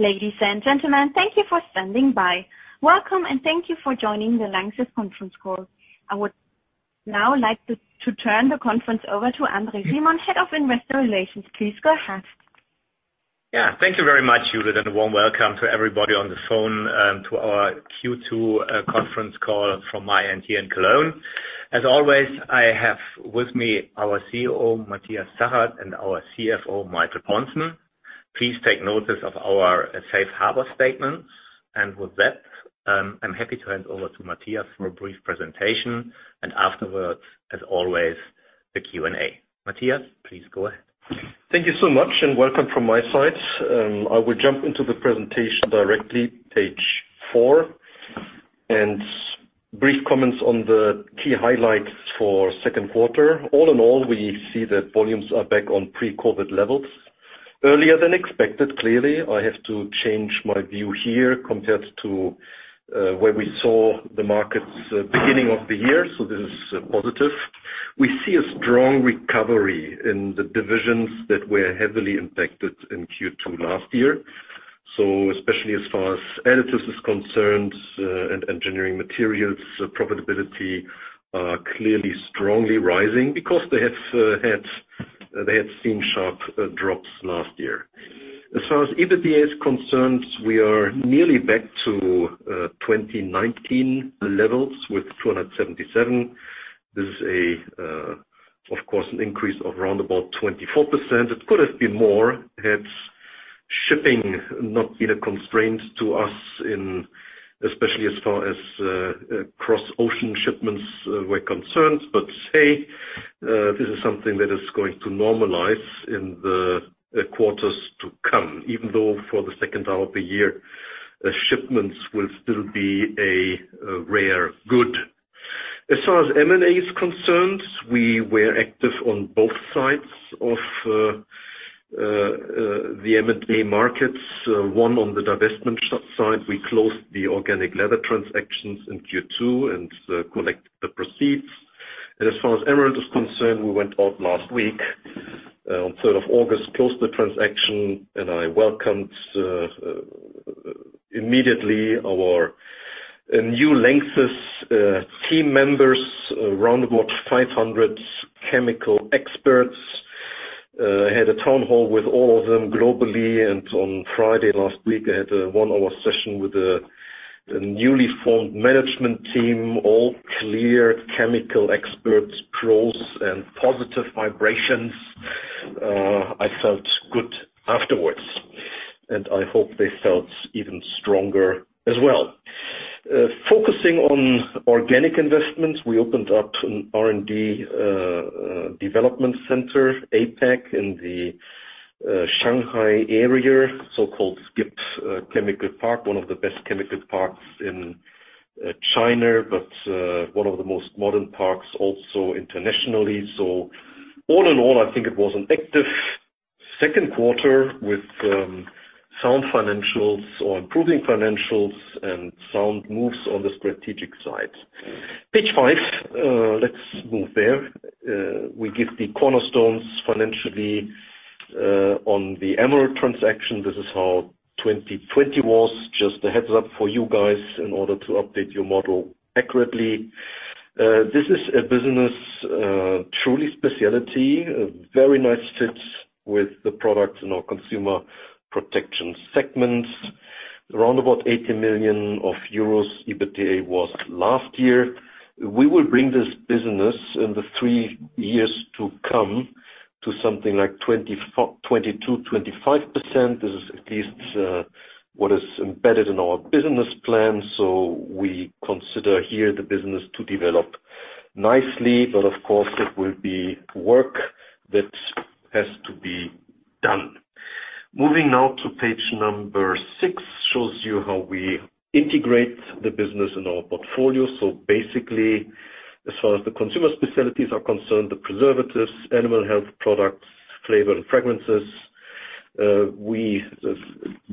Ladies and gentlemen, thank you for standing by. Welcome, and thank you for joining the LANXESS conference call. I would now like to turn the conference over to André Simon, head of investor relations. Please go ahead. Thank you very much, Judith, and a warm welcome to everybody on the phone and to our Q2 conference call from my end here in Cologne. As always, I have with me our CEO, Matthias Zachert, and our CFO, Michael Pontzen. Please take notice of our safe harbor statements. With that, I am happy to hand over to Matthias for a brief presentation, and afterwards, as always, the Q&A. Matthias, please go ahead. Thank you so much, and welcome from my side. I will jump into the presentation directly. Page four, and brief comments on the key highlights for second quarter. All in all, we see that volumes are back on pre-COVID levels earlier than expected. Clearly, I have to change my view here compared to where we saw the markets at the beginning of the year. This is positive. We see a strong recovery in the divisions that were heavily impacted in Q2 last year. Especially as far as additives is concerned and engineering materials profitability are clearly strongly rising because they had seen sharp drops last year. As far as EBITDA is concerned, we are nearly back to 2019 levels with 277. This is, of course, an increase of around about 24%. It could have been more had shipping not been a constraint to us, especially as far as cross-ocean shipments were concerned, hey, this is something that is going to normalize in the quarters to come, even though for the second half of the year, shipments will still be a rare good. As far as M&A is concerned, we were active on both sides of the M&A markets. One on the divestment side. We closed the organic leather chemicals in Q2 and collected the proceeds. As far as Emerald is concerned, we went out last week on third of August, closed the transaction, and I welcomed immediately our new LANXESS team members, around about 500 chemical experts. Had a town hall with all of them globally. On Friday last week, I had a one-hour session with the newly formed management team, all clear chemical experts, pros and positive vibrations. I felt good afterwards, and I hope they felt even stronger as well. Focusing on organic investments, we opened up an R&D development center, APAC, in the Shanghai area, so-called SCIP Chemical Park, one of the best chemical parks in China, but one of the most modern parks also internationally. All in all, I think it was an active second quarter with sound financials or improving financials and sound moves on the strategic side. Page five. Let's move there. We give the cornerstones financially on the Emerald transaction. This is how 2020 was. Just a heads up for you guys in order to update your model accurately. This is a business, truly specialty, a very nice fit with the products in our Consumer Protection segment. Around about 80 million euros EBITDA was last year. We will bring this business in the three years to come to something like 22, 25%. This is at least what is embedded in our business plan. We consider here the business to develop nicely. Of course, it will be work that has to be done. Moving now to page number 6, shows you how we integrate the business in our portfolio. Basically, as far as the consumer specialties are concerned, the preservatives, animal health products, flavor and fragrances. We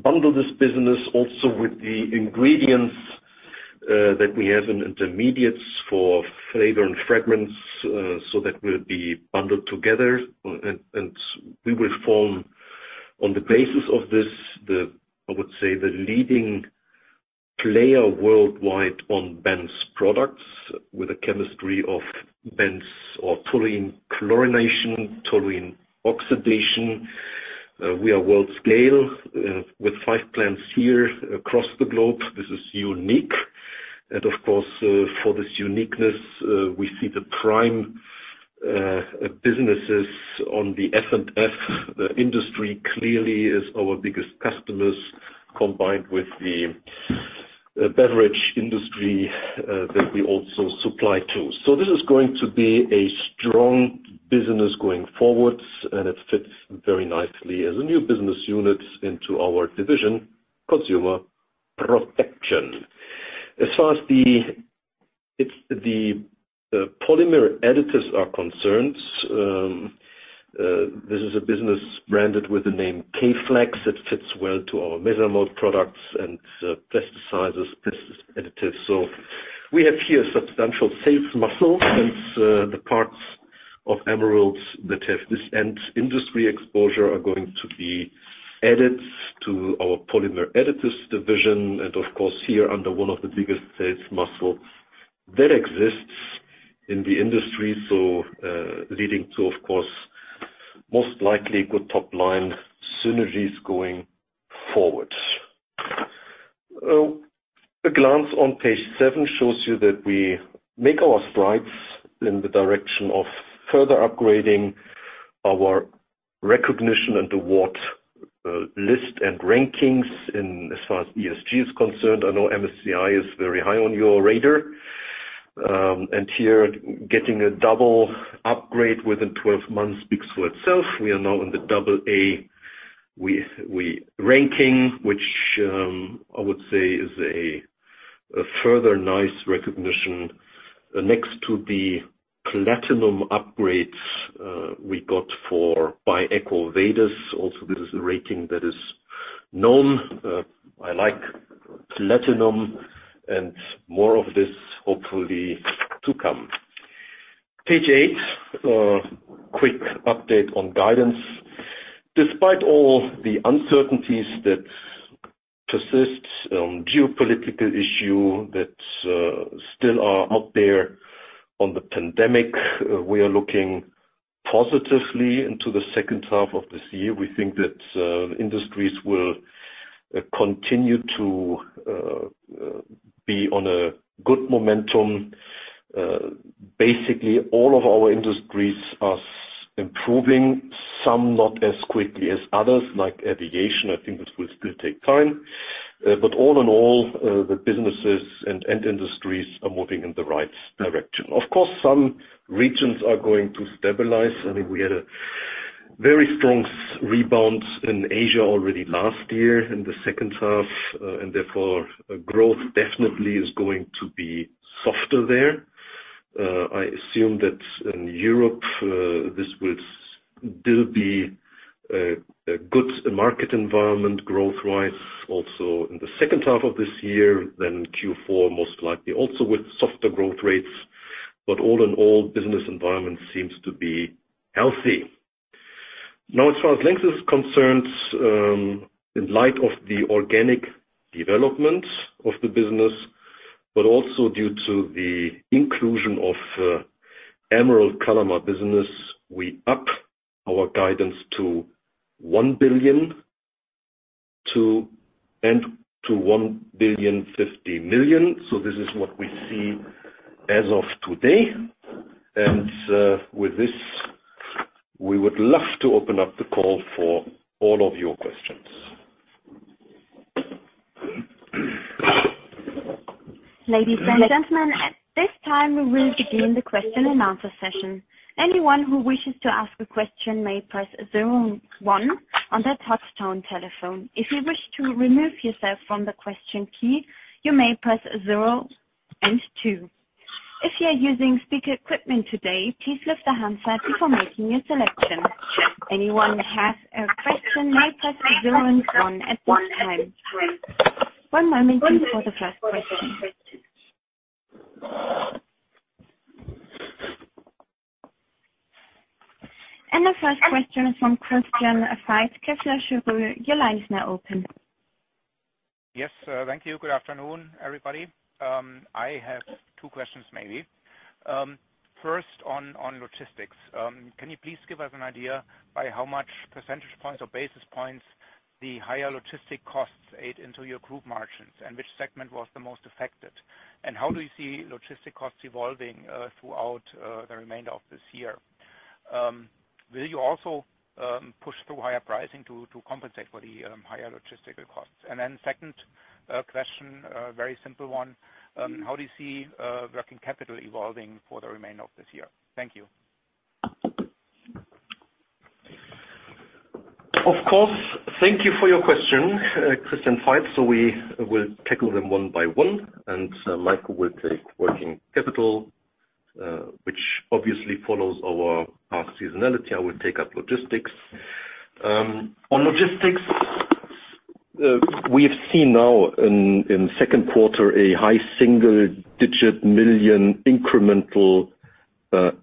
bundle this business also with the ingredients that we have in intermediates for flavor and fragrances. That will be bundled together and we will form on the basis of this, I would say, the leading player worldwide on benzyl products with a chemistry of benzyl or toluene chlorination, toluene oxidation. We are world scale with five plants here across the globe. This is unique. Of course, for this uniqueness, we see the prime businesses on the F&F industry clearly is our biggest customers, combined with the beverage industry that we also supply to. This is going to be a strong business going forward, and it fits very nicely as a new business unit into our division, Consumer Protection. As far as the Polymer Additives are concerned, this is a business branded with the name K-FLEX that fits well to our Mesamoll products and plasticizers, plasticizer additives. We have here substantial sales muscle since the parts of Emeralds that have this end industry exposure are going to be added to our Polymer Additives division and of course, here under one of the biggest sales muscle that exists in the industry. Leading to, of course, most likely good top line synergies going forward. A glance on page 7 shows you that we make our strides in the direction of further upgrading our recognition and award list and rankings as far as ESG is concerned. I know MSCI is very high on your radar, and here getting a double upgrade within 12 months speaks for itself. We are now in the double A ranking, which I would say is a further nice recognition next to the platinum upgrades we got by EcoVadis. Also, this is a rating that is known. I like platinum and more of this hopefully to come. Page eight. A quick update on guidance. Despite all the uncertainties that persist on geopolitical issue that still are out there on the pandemic, we are looking positively into the second half of this year. We think that industries will continue to be on a good momentum. Basically, all of our industries are improving, some not as quickly as others, like aviation. I think this will still take time. All in all, the businesses and end industries are moving in the right direction. Of course, some regions are going to stabilize. I think we had a very strong rebound in Asia already last year in the second half, and therefore growth definitely is going to be softer there. I assume that in Europe, this will still be a good market environment growth-wise, also in the second half of this year, then Q4 most likely also with softer growth rates. All in all, business environment seems to be healthy. As far as LANXESS is concerned, in light of the organic development of the business, but also due to the inclusion of Emerald Kalama business, we up our guidance to 1 billion and to 1,050,000,000. This is what we see as of today. With this, we would love to open up the call for all of your questions. The first question is from Christian Faitz, Kepler Cheuvreux. Your line is now open. Yes. Thank you. Good afternoon, everybody. I have two questions maybe. First on logistics. Can you please give us an idea by how much percentage points or basis points the higher logistic costs ate into your group margins and which segment was the most affected? How do you see logistic costs evolving throughout the remainder of this year? Will you also push through higher pricing to compensate for the higher logistical costs? Second question, a very simple one. How do you see working capital evolving for the remainder of this year? Thank you. Of course. Thank you for your question, Christian Faitz. We will tackle them one by one, and Michael will take working capital, which obviously follows our seasonality. I will take up logistics. On logistics, we have seen now in second quarter a EUR high single-digit million incremental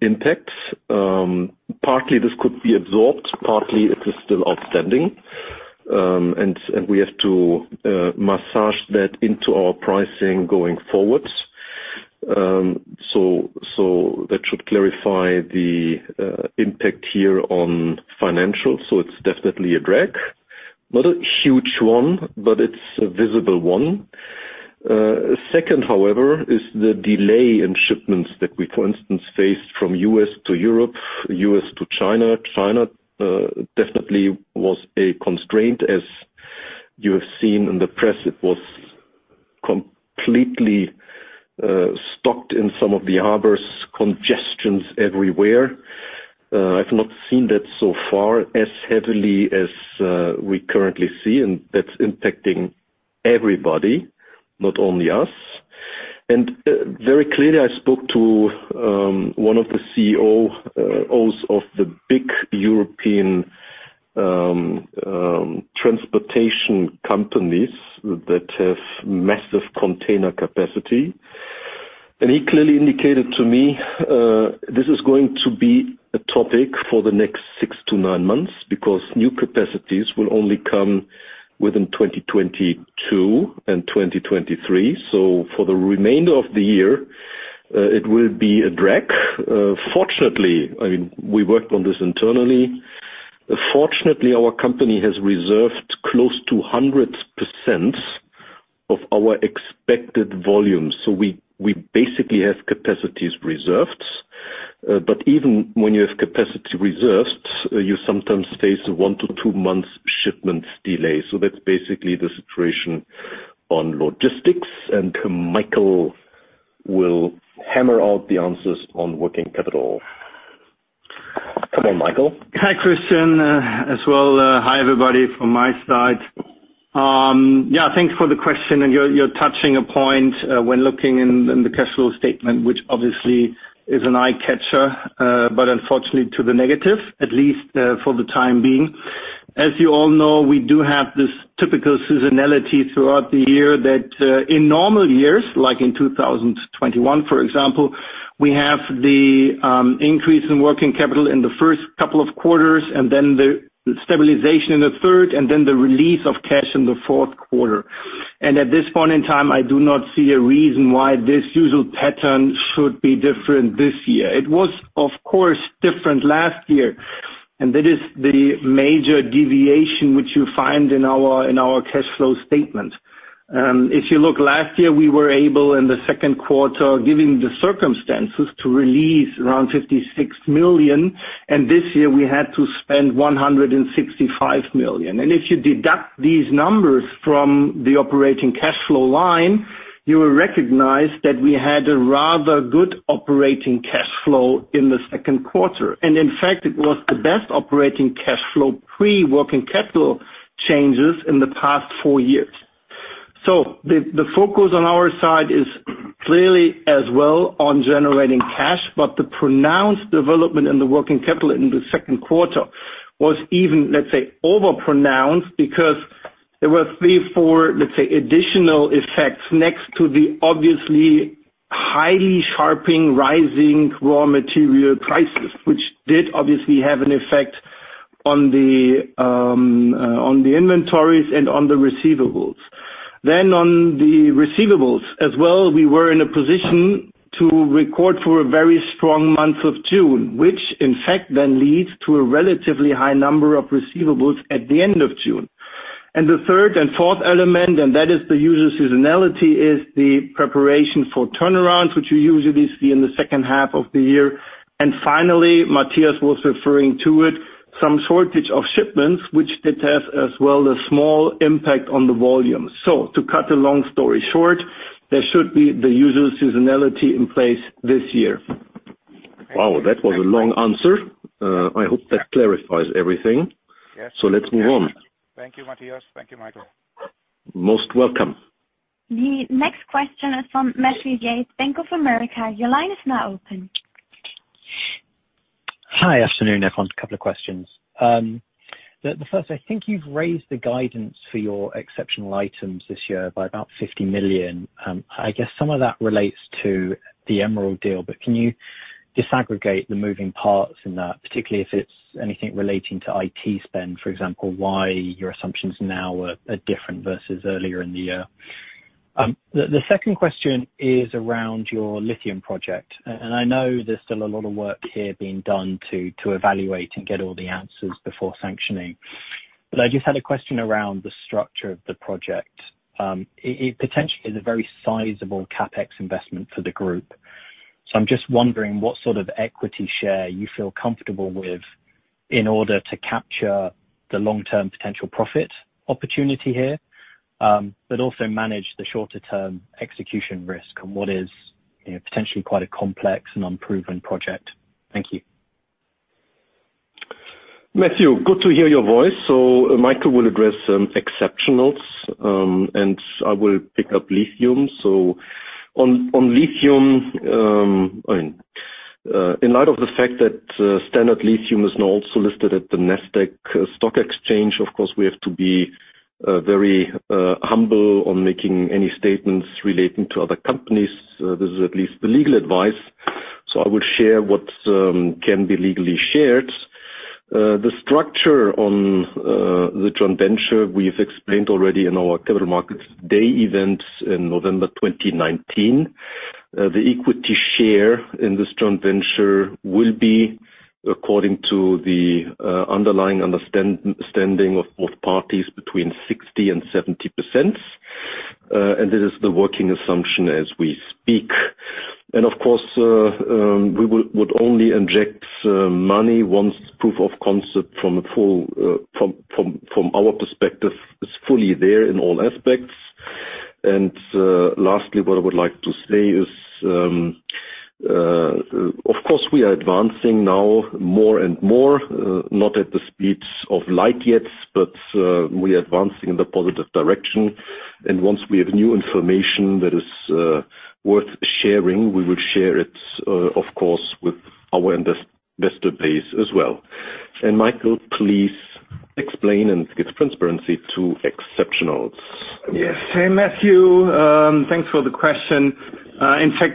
impact. Partly this could be absorbed, partly it is still outstanding. We have to massage that into our pricing going forward. That should clarify the impact here on financials. It's definitely a drag. Not a huge one, but it's a visible one. Second, however, is the delay in shipments that we, for instance, faced from U.S. to Europe, U.S. to China. China definitely was a constraint, as you have seen in the press. It was completely stocked in some of the harbors, congestions everywhere. I've not seen that so far as heavily as we currently see, and that's impacting everybody, not only us. Very clearly, I spoke to one of the CEOs of the big European transportation companies that have massive container capacity. He clearly indicated to me, this is going to be a topic for the next six to nine months, because new capacities will only come within 2022 and 2023. For the remainder of the year, it will be a drag. I mean, we worked on this internally. Fortunately, our company has reserved close to 100% of our expected volumes. We basically have capacities reserved. Even when you have capacity reserved, you sometimes face one to two months shipments delay. That's basically the situation on logistics, and Michael will hammer out the answers on working capital. Come on, Michael. Hi, Christian, as well, hi, everybody from my side. Thanks for the question, and you're touching a point when looking in the cash flow statement, which obviously is an eye-catcher, but unfortunately to the negative, at least for the time being. As you all know, we do have this typical seasonality throughout the year that in normal years, like in 2021, for example, we have the increase in working capital in the first couple of quarters, and then the stabilization in the third, and then the release of cash in the fourth quarter. At this point in time, I do not see a reason why this usual pattern should be different this year. It was, of course, different last year, and that is the major deviation which you find in our cash flow statement. If you look last year, we were able in the second quarter, given the circumstances, to release around 56 million, and this year we had to spend 165 million. If you deduct these numbers from the operating cash flow line, you will recognize that we had a rather good operating cash flow in the second quarter. In fact, it was the best operating cash flow pre-working capital changes in the past four years. The focus on our side is clearly as well on generating cash, but the pronounced development in the working capital in the second quarter was even, let's say, overpronounced because there were three, four, let's say, additional effects next to the obviously highly sharping, rising raw material prices, which did obviously have an effect on the inventories and on the receivables. On the receivables as well, we were in a position to record for a very strong month of June, which in fact then leads to a relatively high number of receivables at the end of June. The third and fourth element, and that is the usual seasonality, is the preparation for turnarounds, which you usually see in the second half of the year. Finally, Matthias was referring to it, some shortage of shipments, which did have as well a small impact on the volume. To cut a long story short, there should be the usual seasonality in place this year. Wow, that was a long answer. I hope that clarifies everything. Yes. Let's move on. Thank you, Matthias. Thank you, Michael. Most welcome. The next question is from Matthew Yates, Bank of America. Your line is now open. Hi. Afternoon, everyone. A couple of questions. The 1st, I think you've raised the guidance for your exceptional items this year by about 50 million. I guess some of that relates to the Emerald deal, but can you disaggregate the moving parts in that, particularly if it's anything relating to IT spend, for example, why your assumptions now are different versus earlier in the year? The second question is around your Lithium project. I know there's still a lot of work here being done to evaluate and get all the answers before sanctioning. I just had a question around the structure of the project. It potentially is a very sizable CapEx investment for the group. I'm just wondering what sort of equity share you feel comfortable with in order to capture the long-term potential profit opportunity here, but also manage the shorter-term execution risk on what is potentially quite a complex and unproven project. Thank you. Matthew, good to hear your voice. Michael will address exceptionals, and I will pick up Lithium. On Lithium, in light of the fact that Standard Lithium is now also listed at the NASDAQ stock exchange, of course, we have to be very humble on making any statements relating to other companies. This is at least the legal advice. I will share what can be legally shared. The structure on the joint venture we've explained already in our Capital Markets Day events in November 2019. The equity share in this joint venture will be according to the underlying understanding of both parties between 60% and 70%. It is the working assumption as we speak. Of course, we would only inject money once proof of concept from our perspective is fully there in all aspects. Lastly, what I would like to say is, of course, we are advancing now more and more, not at the speeds of light yet, but we are advancing in the positive direction. Once we have new information that is worth sharing, we will share it, of course, with our investor base as well. Michael, please explain and give transparency to exceptionals. Hey, Matthew. Thanks for the question.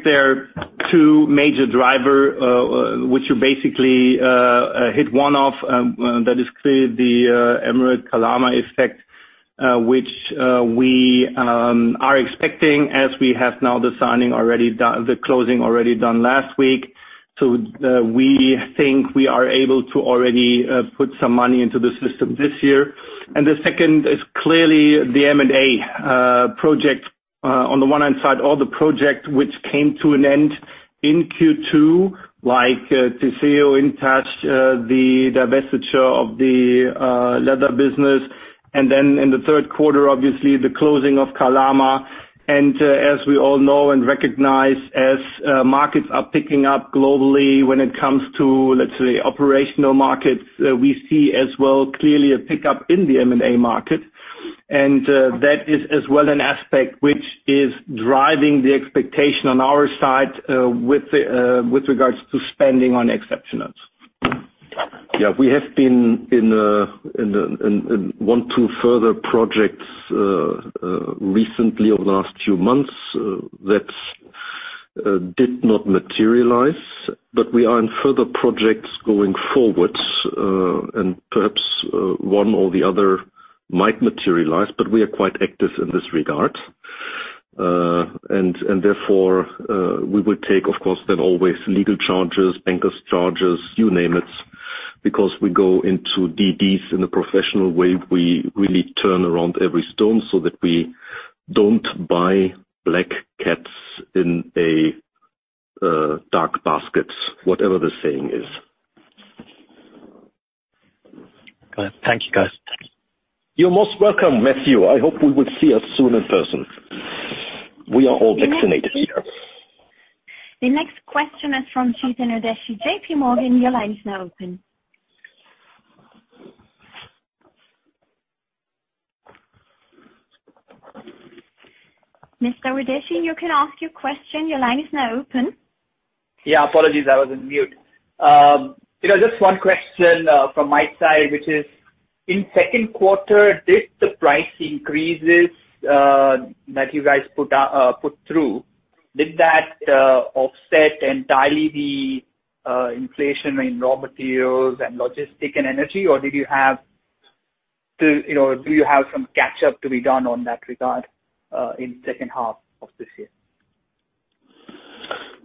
There are two major driver, which are basically hit one-off, that is clearly the Emerald Kalama effect, which we are expecting as we have now the closing already done last week. We think we are able to already put some money into the system this year. The second is clearly the M&A project. On the one hand side, all the project which came to an end in Q2, like Theseo, Intace the divestiture of the leather business, and then in the third quarter, obviously, the closing of Kalama. As we all know and recognize, as markets are picking up globally when it comes to, let's say, operational markets, we see as well clearly a pickup in the M&A market. That is as well an aspect which is driving the expectation on our side with regards to spending on exceptionals. We have been in one, two further projects recently over the last few months that did not materialize, but we are in further projects going forward. Perhaps one or the other might materialize, but we are quite active in this regard. Therefore, we would take, of course, then always legal charges, bankers' charges, you name it, because we go into DDs in a professional way. We really turn around every stone so that we don't buy black cats in a dark basket, whatever the saying is. Good. Thank you, guys. You're most welcome, Matthew. I hope we will see you soon in person. We are all vaccinated here. The next question is from Chetan Udeshi, JP Morgan. Mr. Udeshi, you can ask your question. Yeah, apologies. I was on mute. Just one question from my side, which is, in second quarter, did the price increases that you guys put through, did that offset entirely the inflation in raw materials and logistics and energy, or do you have some catch up to be done on that regard in second half of this year?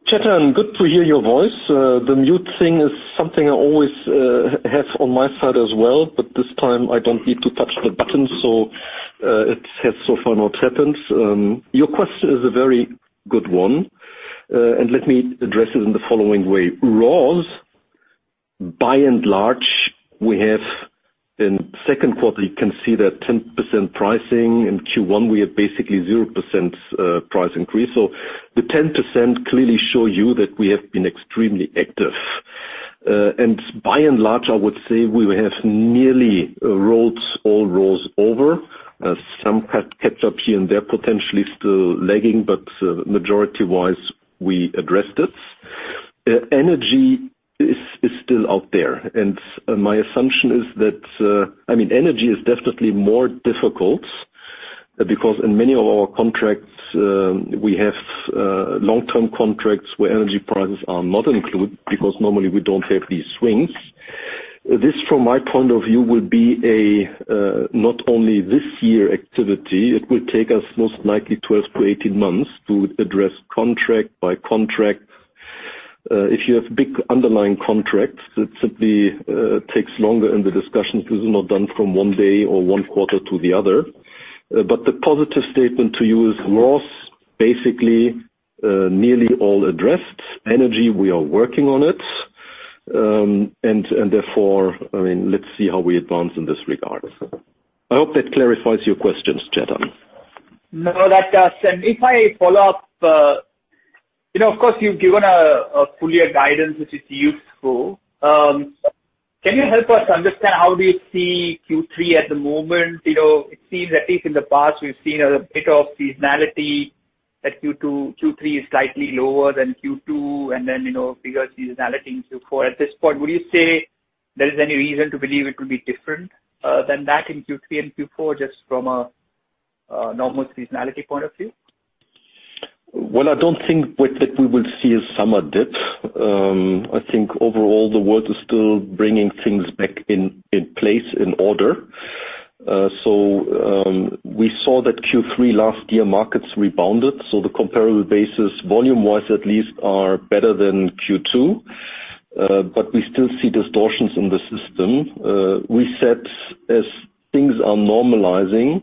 Chetan, good to hear your voice. The mute thing is something I always have on my side as well, but this time I don't need to touch the button, so it has so far not happened. Your question is a very good one, and let me address it in the following way. Raws, by and large, we have in second quarter, you can see that 10% pricing. In Q1, we had basically 0% price increase. The 10% clearly show you that we have been extremely active. By and large, I would say we have nearly rolled all raws over. Some catch up here and there potentially still lagging, but majority-wise, we addressed it. Energy is still out there. My assumption is energy is definitely more difficult because in many of our contracts, we have long-term contracts where energy prices are not included because normally we don't have these swings. This, from my point of view, will be a not only this year activity, it will take us most likely 12-18 months to address contract by contract. If you have big underlying contracts, it simply takes longer and the discussions is not done from one day or one quarter to the other. The positive statement to you is raws, basically, nearly all addressed. Energy, we are working on it. Therefore, let's see how we advance in this regard. I hope that clarifies your questions, Chetan. No, that does. If I follow up, of course, you've given a full year guidance, which is useful. Can you help us understand how we see Q3 at the moment? It seems, at least in the past, we've seen a bit of seasonality that Q3 is slightly lower than Q2, and then bigger seasonality in Q4. At this point, would you say there is any reason to believe it will be different than that in Q3 and Q4 just from a normal seasonality point of view? Well, I don't think that we will see a summer dip. I think overall the world is still bringing things back in place, in order. We saw that Q3 last year, markets rebounded. The comparable basis, volume-wise at least, are better than Q2. We still see distortions in the system. We said as things are normalizing,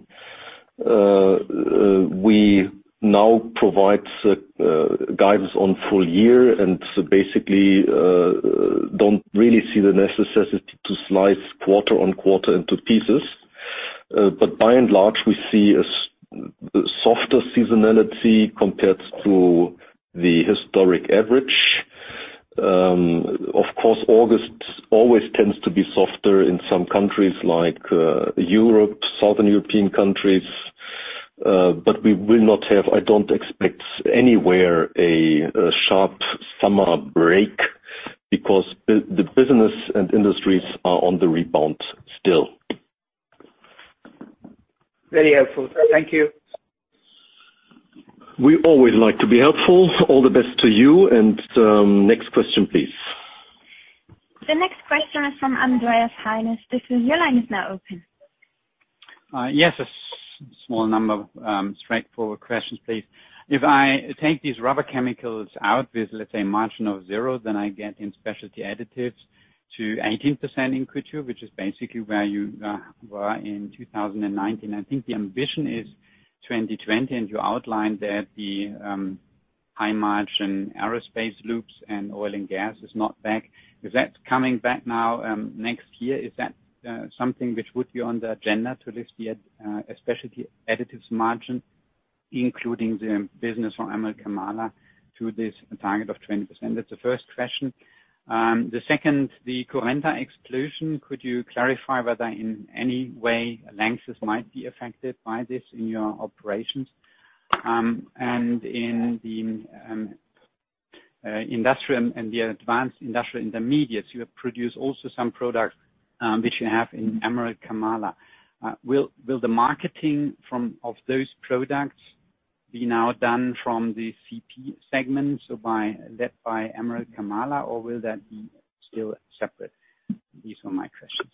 we now provide guidance on full year and basically don't really see the necessity to slice quarter on quarter into pieces. By and large, we see a softer seasonality compared to the historic average. Of course, August always tends to be softer in some countries like Europe, Southern European countries. We will not have, I don't expect anywhere a sharp summer break because the business and industries are on the rebound still. Very helpful. Thank you. We always like to be helpful. All the best to you. Next question, please. The next question is from Andreas Heine. Your line is now open. Yes. A small number of straightforward questions, please. If I take these rubber chemicals out with, let's say, a margin of zero, I get in Specialty Additives to 18% in Q2, which is basically where you were in 2019. I think the ambition is 2020, you outlined that the high margin aerospace loops and oil and gas is not back. Is that coming back now next year? Is that something which would be on the agenda to lift the Specialty Additives margin, including the business from Emerald Kalama Chemical to this target of 20%? That's the first question. The second, the Currenta explosion, could you clarify whether in any way LANXESS might be affected by this in your operations? In the industrial and the Advanced Industrial Intermediates, you have produced also some products, which you have in Emerald Kalama Chemical. Will the marketing of those products be now done from the CP segment, so led by Emerald Kalama Chemical, or will that be still separate? These were my questions.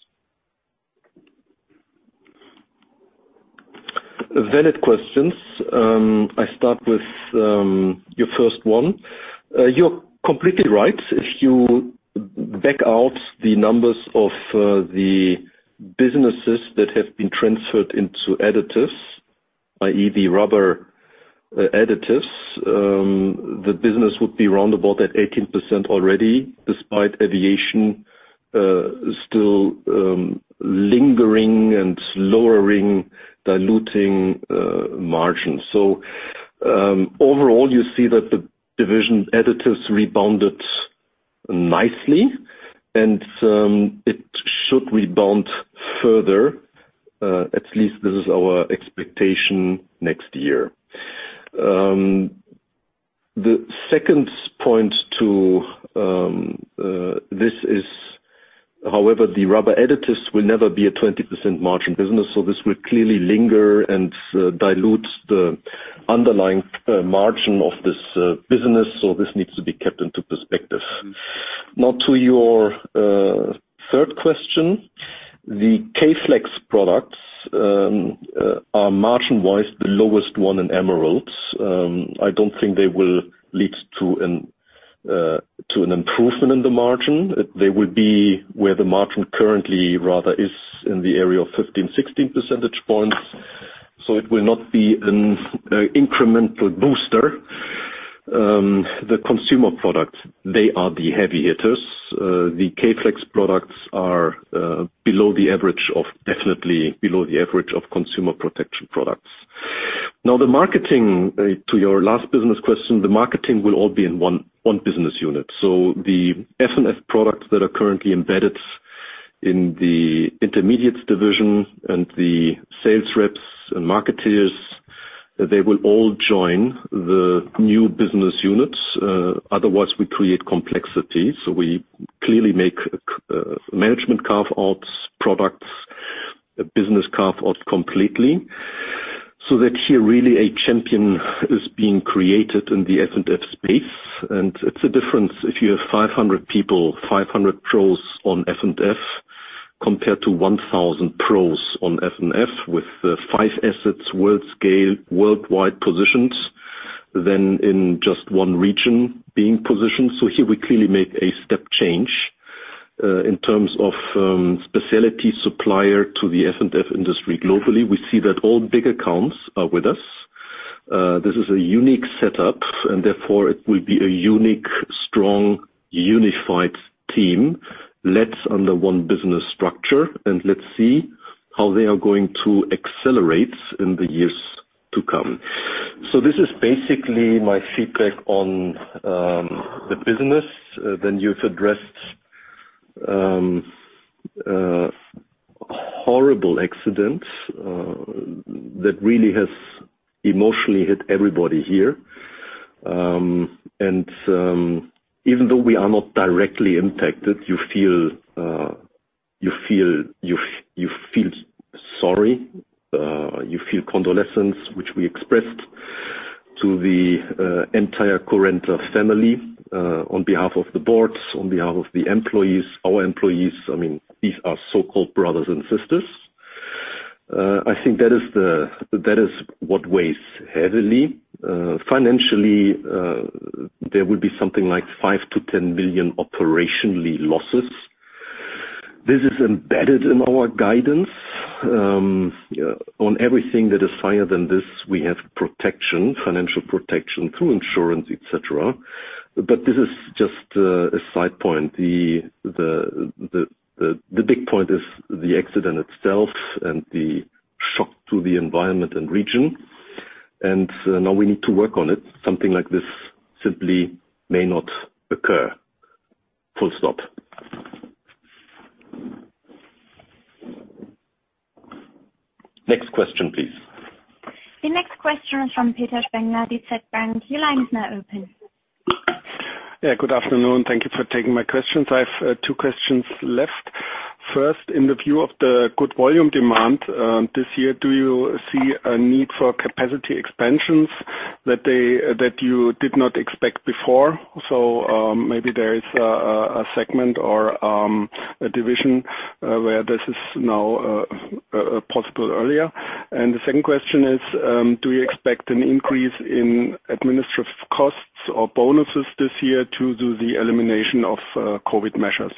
Valid questions. I start with your first one. You're completely right. If you back out the numbers of the businesses that have been transferred into Additives, i.e. the rubber Additives, the business would be roundabout at 18% already, despite aviation still lingering and lowering diluting margins. Overall, you see that the division Additives rebounded nicely, and it should rebound further. At least this is our expectation next year. The second point to this is, however, the rubber Additives will never be a 20% margin business, so this will clearly linger and dilute the underlying margin of this business, so this needs to be kept into perspective. Now to your third question, the K-FLEX products are margin-wise the lowest one in Emerald's. I don't think they will lead to an improvement in the margin. They will be where the margin currently rather is in the area of 15, 16 percentage points. It will not be an incremental booster. The Consumer Protection products, they are the heavy hitters. The K-FLEX products are definitely below the average of Consumer Protection products. Now, the marketing to your last business question, the marketing will all be in one business unit. The F&F products that are currently embedded in the Intermediates division and the sales reps and marketeers, they will all join the new business units. Otherwise, we create complexity. We clearly make management carve-outs products, a business carve-out completely, so that here really a champion is being created in the F&F space. It's a difference if you have 500 people, 500 pros on F&F compared to 1,000 pros on F&F with five assets worldwide positions than in just one region being positioned. Here we clearly make a step change in terms of specialty supplier to the F&F industry globally. We see that all big accounts are with us. This is a unique setup, and therefore it will be a unique, strong, unified team led under one business structure, and let's see how they are going to accelerate in the years to come. This is basically my feedback on the business. You've addressed horrible accidents that really has emotionally hit everybody here. Even though we are not directly impacted, you feel sorry. You feel condolences, which we expressed to the entire Currenta family on behalf of the boards, on behalf of the employees, our employees. These are so-called brothers and sisters. I think that is what weighs heavily. Financially, there will be something like 5 million-10 million operationally losses. This is embedded in our guidance. On everything that is higher than this, we have protection, financial protection through insurance, et cetera. This is just a side point. The big point is the accident itself and the shock to the environment and region. Now we need to work on it. Something like this simply may not occur. Full stop. Next question, please. The next question is from Peter Spengler, DZ BANK. Your line is now open. Good afternoon. Thank you for taking my questions. I have two questions left. First, in the view of the good volume demand this year, do you see a need for capacity expansions that you did not expect before? Maybe there is a segment or a division where this is now possible earlier. The second question is, do you expect an increase in administrative costs or bonuses this year due to the elimination of COVID measures?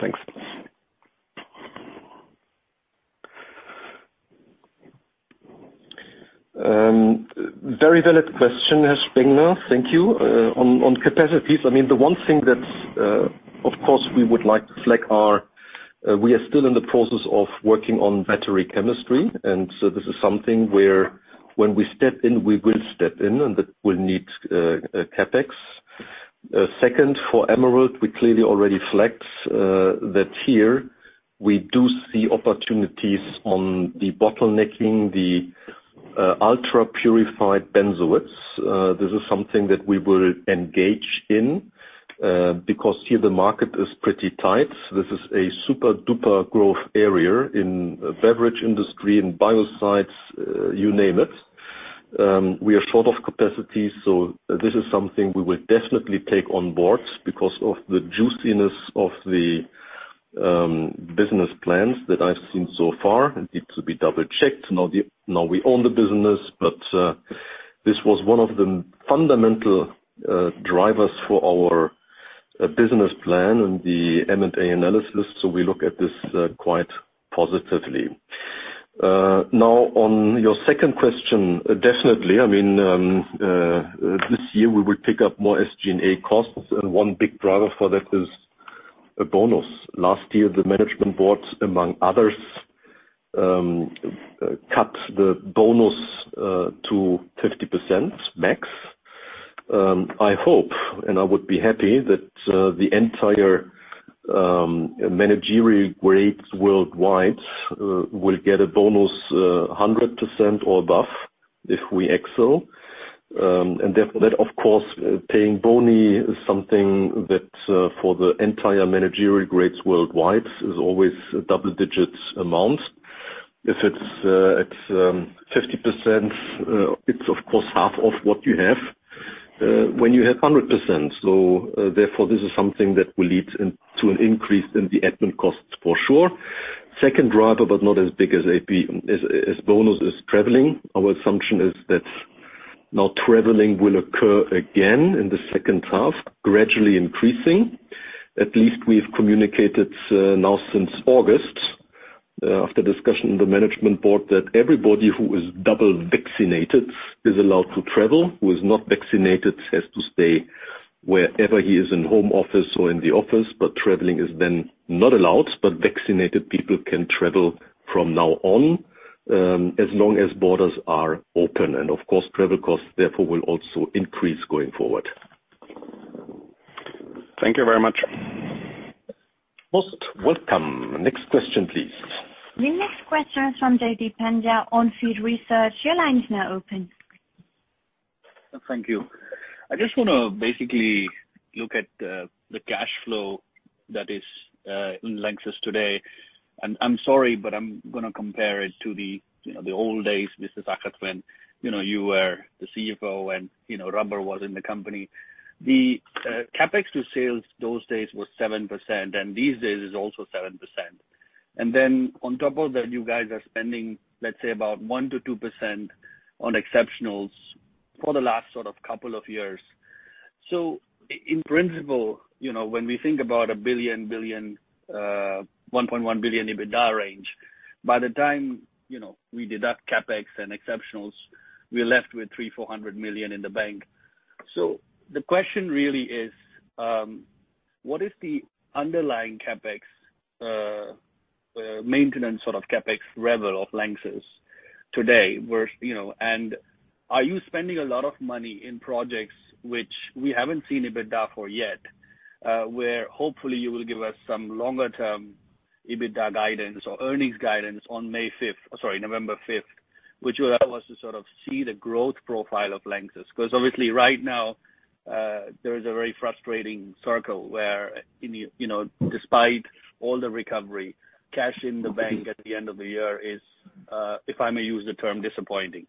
Thanks. Very valid question, Spengler. Thank you. On capacities, the one thing that of course we would like to flag are, we are still in the process of working on battery chemistry. This is something where when we step in, we will step in, and that will need CapEx. Second, for Emerald, we clearly already flexed that here we do see opportunities on the bottlenecking the ultra-purified benzoates. This is something that we will engage in, because here the market is pretty tight. This is a super-duper growth area in beverage industry and biocides, you name it. We are short of capacity, so this is something we will definitely take on board because of the juiciness of the business plans that I've seen so far. It could be double-checked now we own the business. This was one of the fundamental drivers for our business plan and the M&A analysis. We look at this quite positively. On your second question, definitely. This year we will pick up more SG&A costs, and one big driver for that is a bonus. Last year, the management board, among others, cut the bonus to 50% max. I hope, and I would be happy that the entire managerial grades worldwide will get a bonus 100% or above if we excel. That, of course, paying bonus is something that for the entire managerial grades worldwide is always a double-digit amount. If it's 50%, it's of course half of what you have when you have 100%. Therefore, this is something that will lead to an increase in the admin costs for sure. Second driver, but not as big as bonus, is traveling. Our assumption is that now traveling will occur again in the second half, gradually increasing. At least we've communicated now since August, after discussion in the management board, that everybody who is double vaccinated is allowed to travel. Traveling is then not allowed. Vaccinated people can travel from now on, as long as borders are open. Of course, travel costs therefore will also increase going forward. Thank you very much. Most welcome. Next question, please. The next question is from Jaideep Pandya On Field Research. Your line is now open. Thank you. I just want to basically look at the cash flow that is in LANXESS today. I'm sorry, but I'm going to compare it to the old days, Mr. Zachert, when you were the CFO and rubber was in the company. The CapEx to sales those days was 7%, and these days it's also 7%. Then on top of that, you guys are spending, let's say about 1%-2% on exceptionals for the last couple of years. In principle, when we think about a 1.1 billion EBITDA range, by the time we deduct CapEx and exceptionals, we're left with $300-$400 million in the bank. The question really is, what is the underlying CapEx, maintenance CapEx level of LANXESS today? Are you spending a lot of money in projects which we haven't seen EBITDA for yet, where hopefully you will give us some longer-term EBITDA guidance or earnings guidance on November fifth, which will allow us to see the growth profile of LANXESS? Because obviously right now, there is a very frustrating circle where despite all the recovery, cash in the bank at the end of the year is, if I may use the term, disappointing.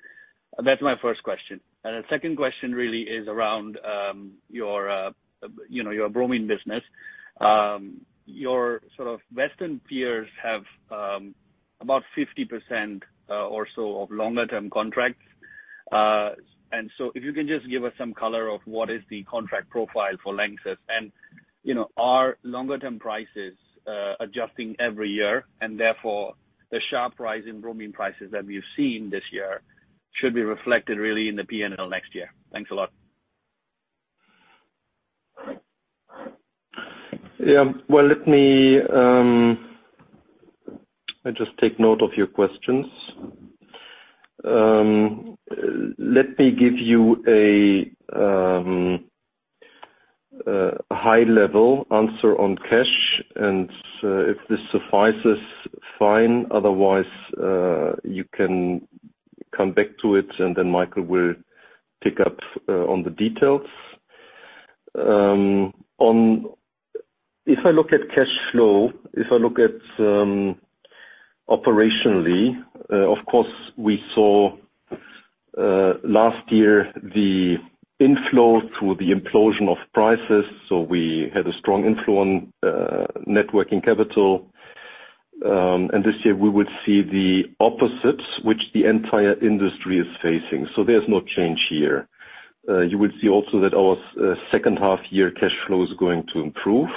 That's my first question. The second question really is around your bromine business. Your Western peers have about 50% or so of longer-term contracts. So if you can just give us some color of what is the contract profile for LANXESS, and are longer-term prices adjusting every year and therefore the sharp rise in bromine prices that we've seen this year should be reflected really in the P&L next year? Thanks a lot. Well, let me just take note of your questions. Let me give you a high-level answer on cash, and if this suffices, fine. Otherwise, you can come back to it, and then Michael will pick up on the details. If I look at cash flow, if I look at operationally, of course, we saw last year the inflow through the implosion of prices. We had a strong inflow on net working capital. This year we would see the opposite, which the entire industry is facing. There's no change here. You would see also that our second half year cash flow is going to improve,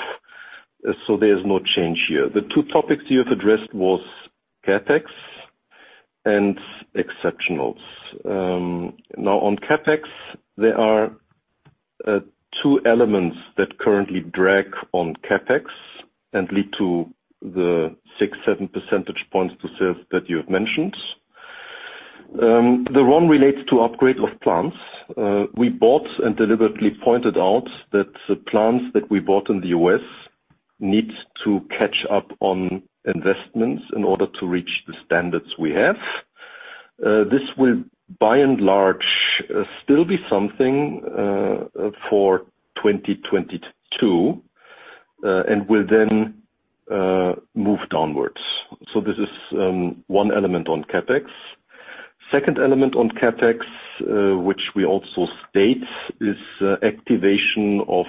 so there is no change here. The two topics you have addressed was CapEx and exceptionals. Now, on CapEx, there are two elements that currently drag on CapEx and lead to the 6, 7 percentage points that you have mentioned. The one relates to upgrade of plants. We bought and deliberately pointed out that the plants that we bought in the U.S. need to catch up on investments in order to reach the standards we have. This will by and large, still be something for 2022, and will then move downwards. This is one element on CapEx. Second element on CapEx, which we also state, is activation of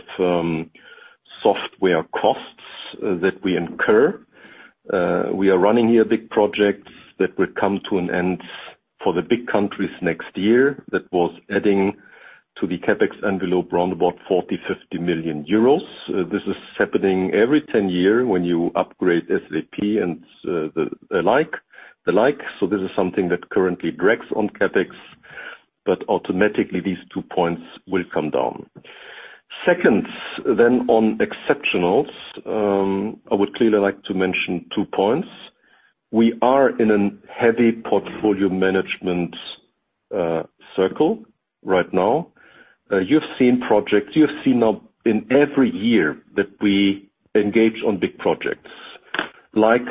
software costs that we incur. We are running here big projects that will come to an end for the big countries next year. That was adding to the CapEx envelope around about 40 million, 50 million euros. This is happening every 10 years when you upgrade SAP and the like. This is something that currently drags on CapEx, but automatically these two points will come down. Second, on exceptionals, I would clearly like to mention two points. We are in a heavy portfolio management circle right now. You've seen projects, you have seen now in every year that we engage on big projects. Like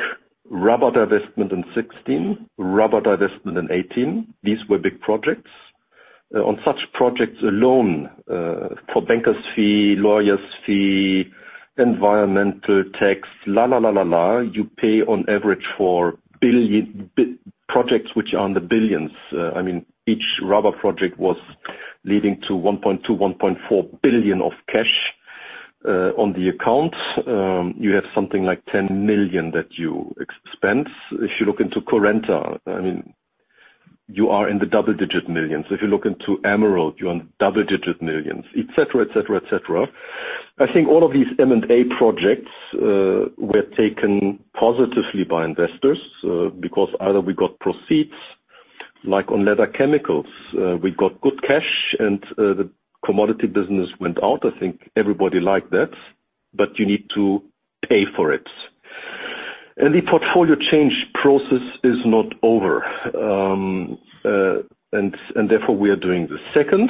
rubber divestment in 2016, rubber divestment in 2018. These were big projects. On such projects alone, for bankers' fee, lawyers' fee, environmental tax, you pay on average for projects which are in the billions. I mean, each rubber project was leading to 1.2 billion, 1.4 billion of cash on the account. You have something like 10 million that you expense. If you look into Currenta, you are in the double-digit millions. If you look into Emerald, you're on double-digit millions, et cetera. I think all of these M&A projects were taken positively by investors, because either we got proceeds, like on leather chemicals. We got good cash and the commodity business went out. Everybody liked that, you need to pay for it. The portfolio change process is not over. Therefore we are doing the second.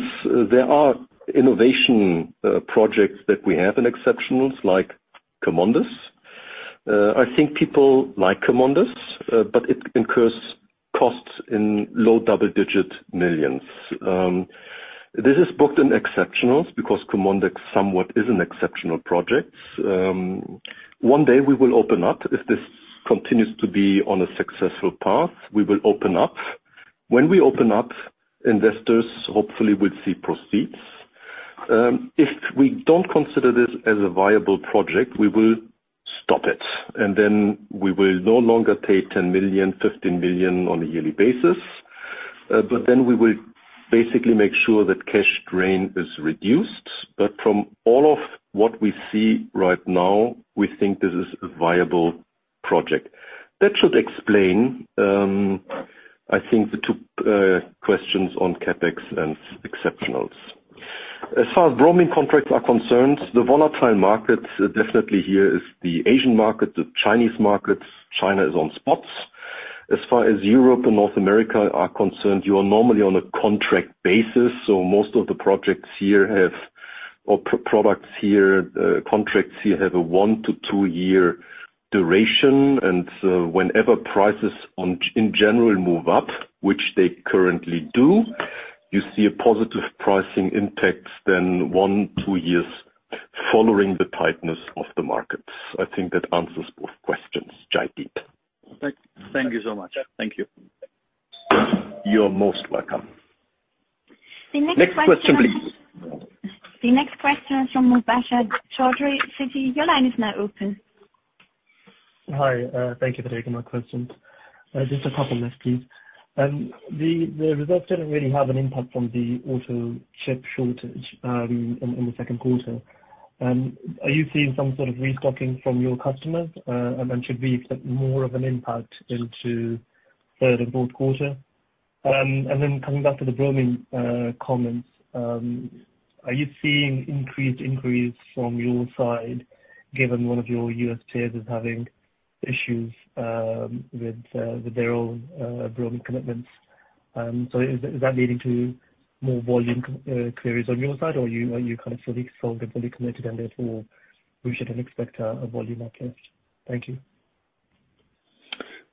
There are innovation projects that we have in exceptionals, like CheMondis. I think people like CheMondis, but it incurs costs in low double-digit millions. This is booked in exceptionals because CheMondis somewhat is an exceptional project. One day we will open up. If this continues to be on a successful path, we will open up. When we open up, investors hopefully will see proceeds. If we don't consider this as a viable project, we will stop it, and then we will no longer pay 10 million, 15 million on a yearly basis. We will basically make sure that cash drain is reduced. From all of what we see right now, we think this is a viable project. That should explain, I think the two questions on CapEx and exceptionals. As far as bromine contracts are concerned, the volatile markets definitely here is the Asian market, the Chinese market. China is on spots. As far as Europe and North America are concerned, you are normally on a contract basis, so most of the contracts here have a one to two year duration, and so whenever prices in general move up, which they currently do, you see a positive pricing impact then one, two years following the tightness of the markets. I think that answers both questions, Jaideep. Thank you so much. Thank you. You're most welcome. The next question. Next question, please. The next question is from Mubashir Chaudhry. Citi, your line is now open. Hi. Thank you for taking my questions. Just a couple of this, please. The results didn't really have an impact from the auto chip shortage in the second quarter. Are you seeing some sort of restocking from your customers? Should we expect more of an impact into third and fourth quarter? Coming back to the bromine comments. Are you seeing increased inquiries from your side, given one of your U.S. peers is having issues with their own bromine commitments? Is that leading to more volume queries on your side, or are you kind of solidly committed, and therefore we shouldn't expect a volume uplift? Thank you.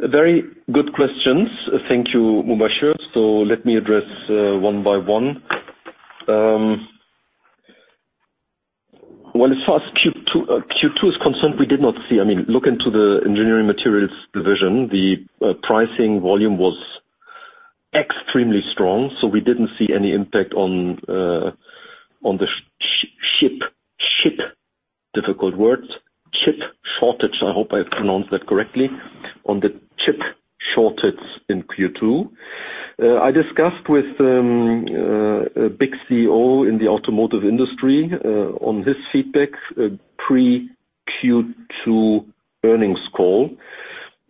Very good questions. Thank you, Mubashir. Let me address one by one. As far as Q2 is concerned, I mean, look into the engineering materials division. The pricing volume was extremely strong, so we didn't see any impact on the difficult words. Chip shortage, I hope I pronounce that correctly. I discussed with a big CEO in the automotive industry on this feedback, pre-Q2 earnings call.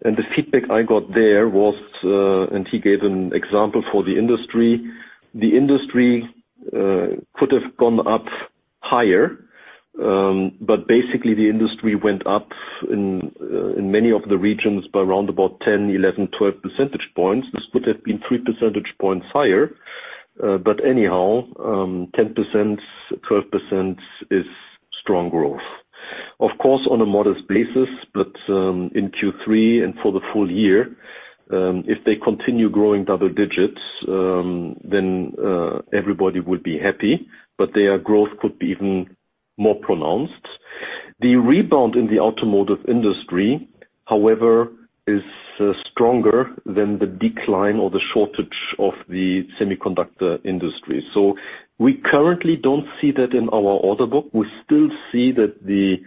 The feedback I got there was, and he gave an example for the industry. The industry could have gone up higher. Basically, the industry went up in many of the regions by around about 10, 11, 12 percentage points. This could have been 3 percentage points higher. Anyhow, 10%, 12% is strong growth. Of course, on a modest basis, but in Q3 and for the full year. If they continue growing double digits, their growth could be even more pronounced. The rebound in the automotive industry, however, is stronger than the decline or the shortage of the semiconductor industry. We currently don't see that in our order book. We still see that the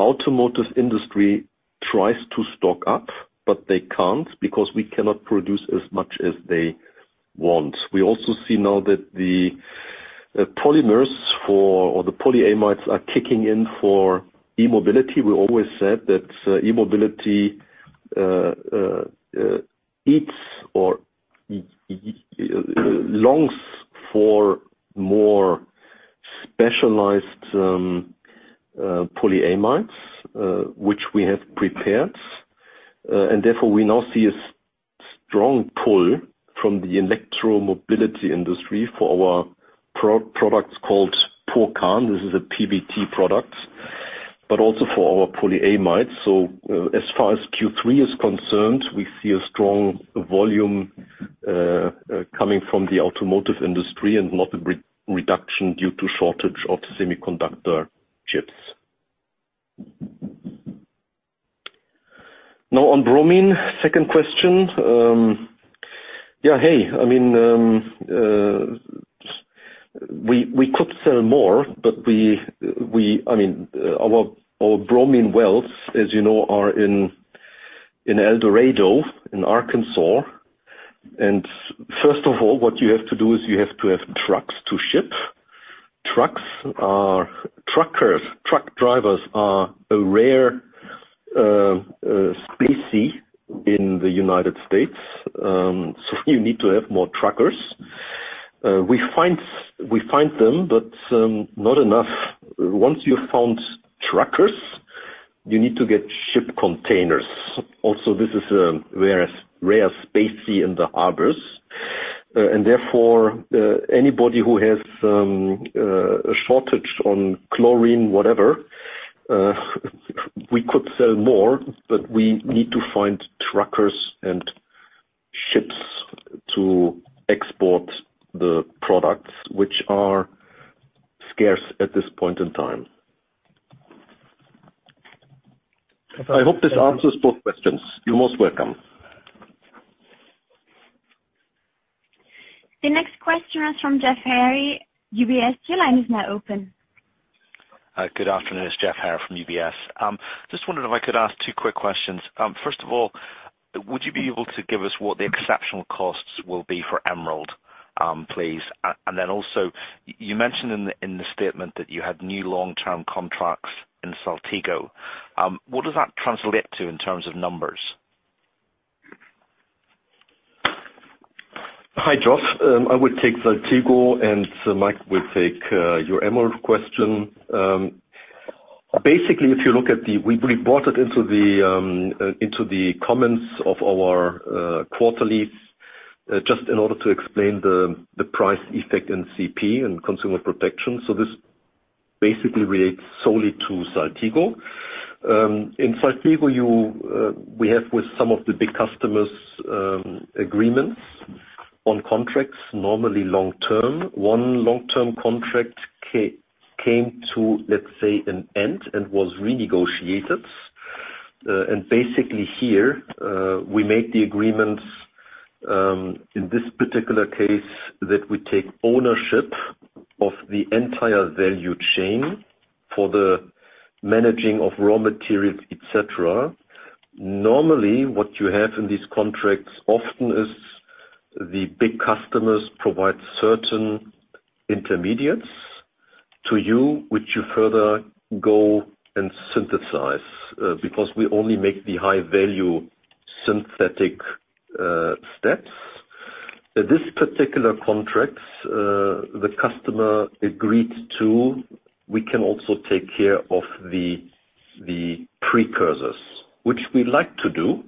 automotive industry tries to stock up, but they can't, because we cannot produce as much as they want. We also see now that the polymers for, or the polyamides are kicking in for e-mobility. We always said that e-mobility eats or longs for more specialized polyamides, which we have prepared. Therefore, we now see a strong pull from the electromobility industry for our products called Pocan. This is a PBT product. Also for our polyamides. As far as Q3 is concerned, we see a strong volume coming from the automotive industry and not a reduction due to shortage of semiconductor chips. On bromine, second question. I mean, we could sell more, our bromine wells, as you know, are in El Dorado, in Arkansas. First of all, what you have to do is you have to have trucks to ship. Truckers, truck drivers are a rare species in the U.S. You need to have more truckers. We find them, not enough. Once you've found truckers, you need to get ship containers. Also, this is a rare species in the harbors. Therefore, anybody who has a shortage on chlorine, whatever, we could sell more, but we need to find truckers and ships to export the products which are scarce at this point in time. I hope this answers both questions. You're most welcome. The next question is from Geoff Haire, UBS. Your line is now open. Good afternoon. It's Geoff Haire from UBS. Just wondering if I could ask two quick questions. First of all, would you be able to give us what the exceptional costs will be for Emerald, please? Also, you mentioned in the statement that you had new long-term contracts in Saltigo. What does that translate to in terms of numbers? Hi, Geoff. I will take Saltigo, Mike will take your Emerald question. If you look at We brought it into the comments of our quarter leads, just in order to explain the price effect in CP, in Consumer Protection. This basically relates solely to Saltigo. In Saltigo, we have with some of the big customers, agreements on contracts, normally long-term. One long-term contract came to, let's say, an end and was renegotiated. Here, we make the agreements, in this particular case, that we take ownership of the entire value chain for the managing of raw materials, et cetera. Normally, what you have in these contracts often is the big customers provide certain intermediates to you, which you further go and synthesize, because we only make the high-value synthetic steps. This particular contract, the customer agreed to, we can also take care of the precursors. Which we like to do,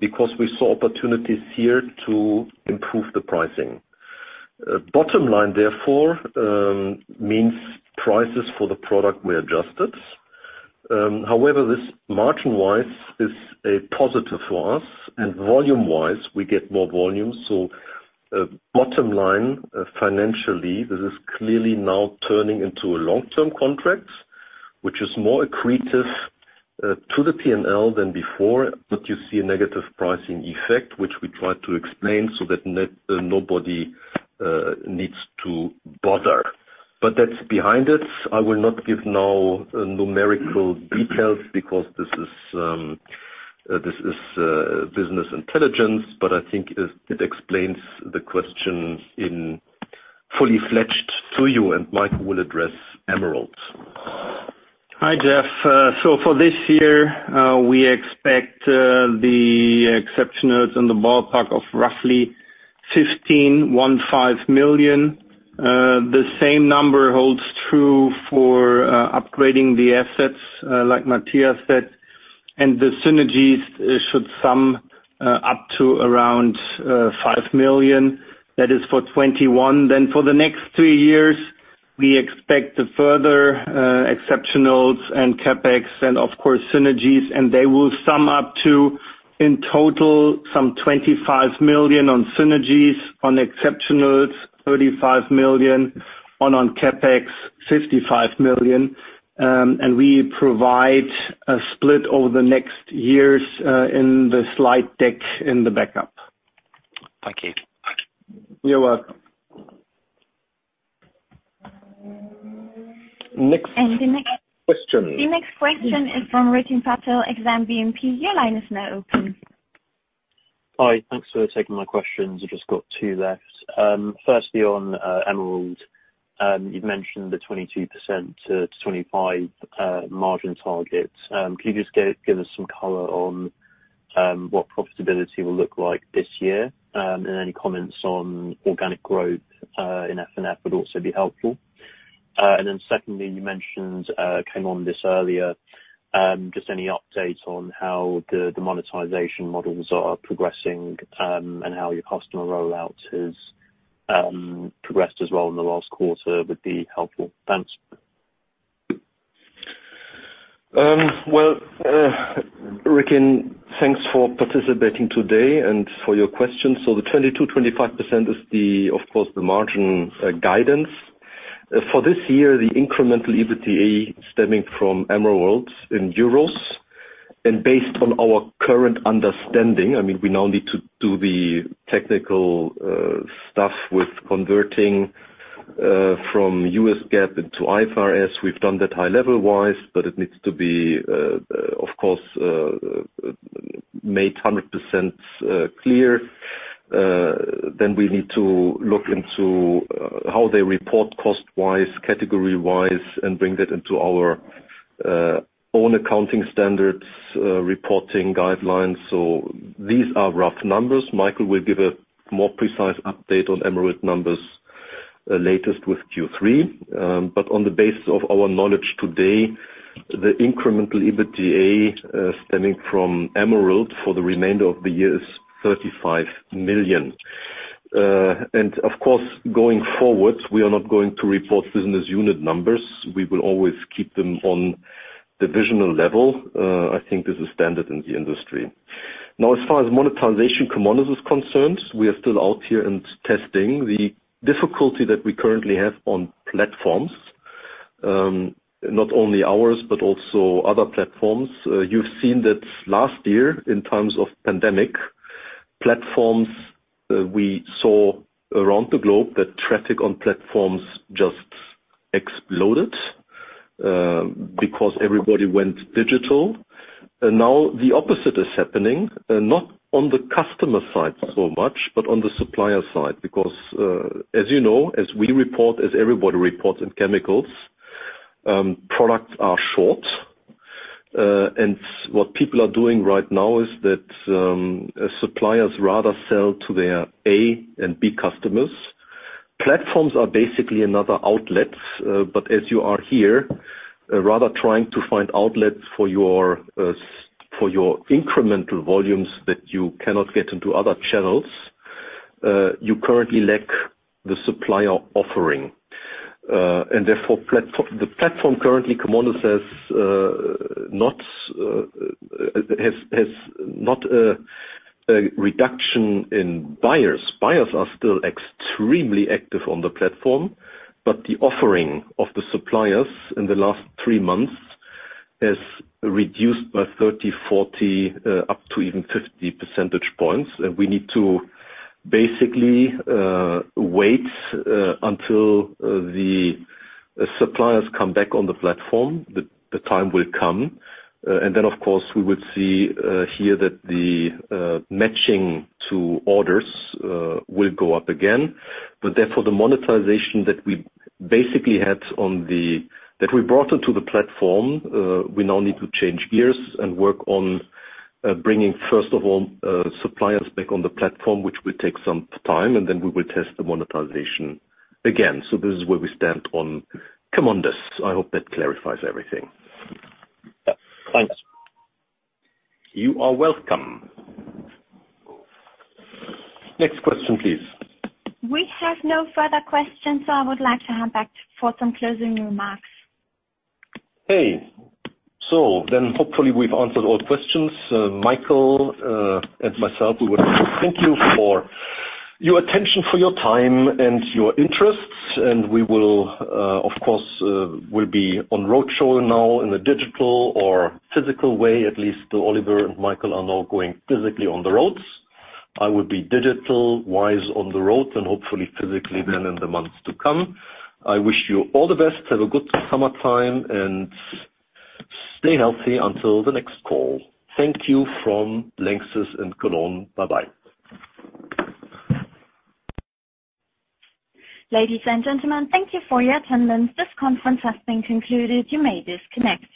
because we saw opportunities here to improve the pricing. Bottom line, therefore, means prices for the product were adjusted. This margin-wise is a positive for us, and volume-wise, we get more volume. Bottom line, financially, this is clearly now turning into a long-term contract, which is more accretive to the P&L than before. You see a negative pricing effect, which we try to explain so that nobody needs to bother. That's behind us. I will not give now numerical details because this is business intelligence, but I think it explains the question in fully fledged to you, and Michael will address Emerald. Hi, Geoff. For this year, we expect the exceptionals in the ballpark of roughly 15 million. The same number holds true for upgrading the assets, like Matthias said. The synergies should sum up to around 5 million. That is for 2021. For the next 2 years, we expect the further exceptionals, CapEx, and of course synergies. They will sum up to, in total, some 25 million on synergies, 35 million on exceptionals, and 55 million on CapEx. We provide a split over the next years in the slide deck in the backup. Thank you. You're welcome. Next question. The next question is from Rikin Patel, Exane BNP. Your line is now open. Hi. Thanks for taking my questions. I've just got two left. Firstly, on Emerald. You've mentioned the 22%-25% margin target. Can you just give us some color on what profitability will look like this year? Any comments on organic growth in F&F would also be helpful. Secondly, you mentioned CheMondis earlier, just any updates on how the monetization models are progressing, and how your customer rollout has progressed as well in the last quarter would be helpful. Thanks. Rikin, thanks for participating today and for your questions. The 22%-25% is of course the margin guidance. For this year, the incremental EBITDA stemming from Emerald in euros, and based on our current understanding, we now need to do the technical stuff with converting from US GAAP into IFRS. We've done that high level-wise, but it needs to be, of course, made 100% clear. We need to look into how they report cost-wise, category-wise, and bring that into our own accounting standards, reporting guidelines. These are rough numbers. Michael will give a more precise update on Emerald numbers latest with Q3. On the basis of our knowledge today, the incremental EBITDA stemming from Emerald for the remainder of the year is 35 million. Of course, going forward, we are not going to report business unit numbers. We will always keep them on divisional level. I think this is standard in the industry. As far as monetization CheMondis is concerned, we are still out here and testing. The difficulty that we currently have on platforms, not only ours, but also other platforms. You've seen that last year in times of pandemic, platforms we saw around the globe that traffic on platforms just exploded, because everybody went digital. The opposite is happening, not on the customer side so much, but on the supplier side, because, as you know, as we report, as everybody reports in chemicals, products are short. What people are doing right now is that suppliers rather sell to their A and B customers. Platforms are basically another outlet. As you are here, rather trying to find outlets for your incremental volumes that you cannot get into other channels, you currently lack the supplier offering. Therefore, the platform currently CheMondis has not a reduction in buyers. Buyers are still extremely active on the platform. The offering of the suppliers in the last three months has reduced by 30, 40, up to even 50 percentage points. We need to basically wait until the suppliers come back on the platform. The time will come. Then, of course, we would see here that the matching to orders will go up again. Therefore, the monetization that we brought onto the platform, we now need to change gears and work on bringing, first of all, suppliers back on the platform, which will take some time, and then we will test the monetization again. This is where we stand on CheMondis. I hope that clarifies everything. Thanks. You are welcome. Next question, please. We have no further questions. I would like to hand back for some closing remarks. Hey. Hopefully we've answered all questions. Michael and myself, we would like to thank you for your attention, for your time and your interests, and we will, of course, be on roadshow now in a digital or physical way. At least Oliver and Michael are now going physically on the roads. I will be digital-wise on the roads and hopefully physically then in the months to come. I wish you all the best. Have a good summertime and stay healthy until the next call. Thank you from LANXESS in Cologne. Bye-bye. Ladies and gentlemen, thank you for your attendance. This conference has been concluded. You may disconnect.